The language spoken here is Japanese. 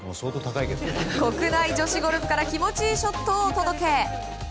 国内女子ゴルフから気持ちいいショットをお届け。